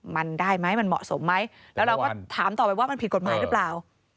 มันได้ไหมมันเหมาะสมไหมแล้วเราก็ถามต่อไปว่ามันผิดกฎหมายหรือเปล่า